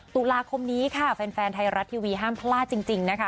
ตุลาคมนี้ค่ะแฟนไทยรัฐทีวีห้ามพลาดจริงนะคะ